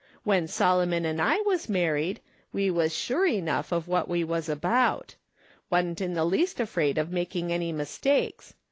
When Solomon and I was married, we was sure enough of what we was about ; wa'n't in the least afraid of making any mistakes.